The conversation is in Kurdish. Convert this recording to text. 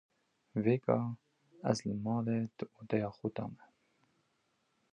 Vêga, Ez li malê di odeya xwe de me.